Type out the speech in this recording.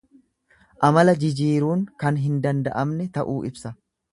Amala jijiiruun kan hin danda'amne ta'uu ibsa.